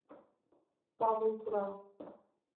Павыл пура.